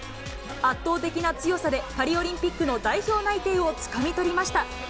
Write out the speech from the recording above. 圧倒的な強さで、パリオリンピックの代表内定をつかみ取りました。